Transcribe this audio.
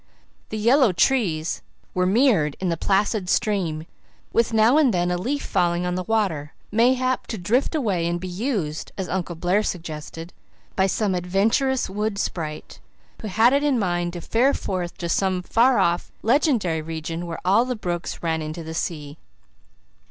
The yellow trees were mirrored in the placid stream, with now and then a leaf falling on the water, mayhap to drift away and be used, as Uncle Blair suggested, by some adventurous wood sprite who had it in mind to fare forth to some far off, legendary region where all the brooks ran into the sea.